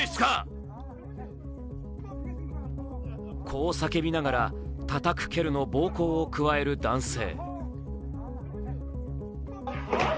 こう叫びながら、たたく、蹴るの暴行を加える男性。